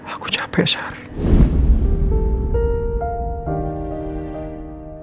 aku capek sarah